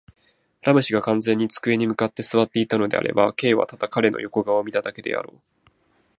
ラム氏が完全に机に向って坐っていたのであれば、Ｋ はただ彼の横顔を見ただけであろう。